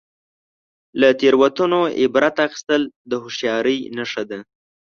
• له تیروتنو عبرت اخیستل د هوښیارۍ نښه ده.